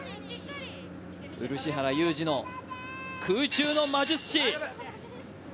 漆原裕治の空中の魔術師。